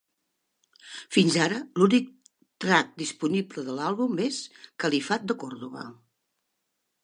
Fins ara, l'únic track disponible de l'àlbum és "Califat de Còrdova".